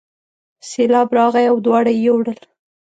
سیلاب راغی او دواړه یې یووړل.